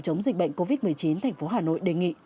chống dịch bệnh covid một mươi chín thành phố hà nội đề nghị